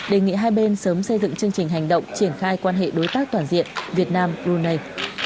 đề nghị hai bên sớm xây dựng chương trình hành động triển khai quan hệ đối tác toàn diện việt nam brunei